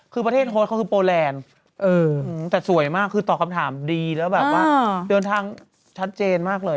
คือประเทศโฮสเขาคือโปรแลนด์แต่สวยมากคือตอบคำถามดีแล้วแบบว่าเดินทางชัดเจนมากเลย